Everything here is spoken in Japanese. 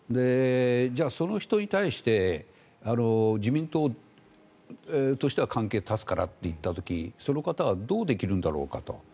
じゃあ、その人に対して自民党としては関係を絶つからと言った時その方はどうできるんだろうかと。